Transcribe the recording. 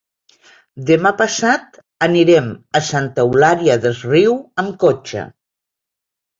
Demà passat anirem a Santa Eulària des Riu amb cotxe.